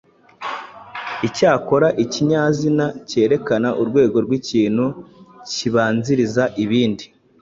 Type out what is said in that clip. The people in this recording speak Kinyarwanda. icyakora ikinyazina kerekana urwego rw’ikintu kibanziriza ibindi